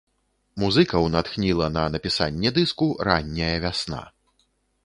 Музыкаў натхніла на напісанне дыску ранняя вясна.